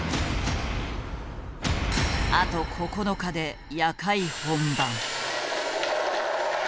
あと９日で夜会本番。